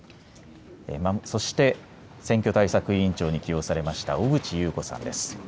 そして選挙対策委員長に起用されました小渕優子さんです。